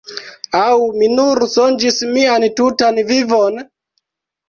Aŭ mi nur sonĝis mian tutan vivon?